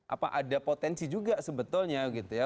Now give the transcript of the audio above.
apa ada potensi juga sebetulnya gitu ya